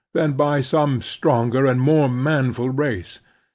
^ then by some stronger and more manftd race.